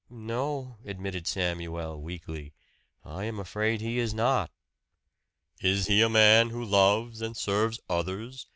"No," admitted Samuel weakly. "I am afraid he is not." "Is he a man who loves and serves others?